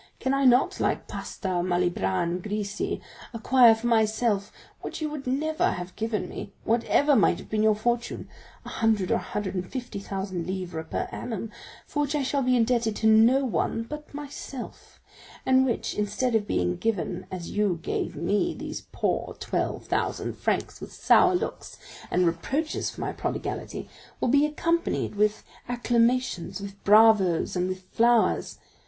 Can I not, like Pasta, Malibran, Grisi, acquire for myself what you would never have given me, whatever might have been your fortune, a hundred or a hundred and fifty thousand livres per annum, for which I shall be indebted to no one but myself; and which, instead of being given as you gave me those poor twelve thousand francs, with sour looks and reproaches for my prodigality, will be accompanied with acclamations, with bravos, and with flowers?